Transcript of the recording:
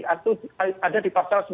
itu ada di pasal sembilan puluh delapan